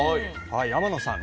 天野さん